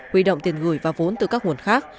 huy động tiền gửi và vốn từ các nguồn khác